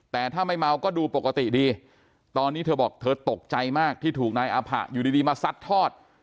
แต่ถ้าไม่เมาก็ดูปกติดีตอนนี้เธอบอกเธอตกใจมากที่ถูกนายอาผะอยู่ดีมาซัดทอด